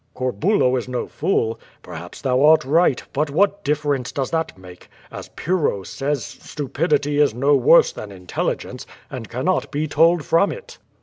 "Corbulo is no fool." "Perhaps thou art right; but what difference does that make? As Pyrrho says, stupidity is no worse than intelli gence, and cannot be told from it."